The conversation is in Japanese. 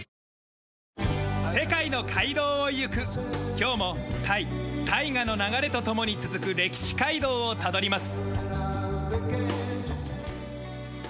今日もタイ大河の流れと共に続く歴史街道をたどります。